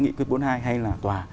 nghị quyết bốn mươi hai hay là tòa